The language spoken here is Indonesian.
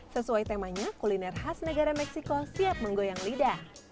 sesuai temanya kuliner khas negara meksiko siap menggoyang lidah